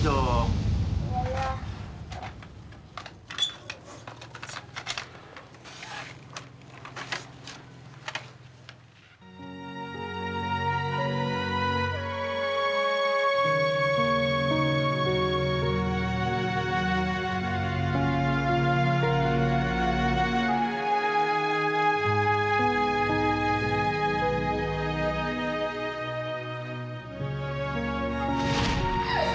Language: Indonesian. ibu nggak boleh pergi